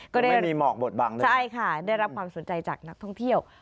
ไม่มีหมอกบทบังเลยใช่ค่ะได้รับความสนใจจากนักท่องเที่ยว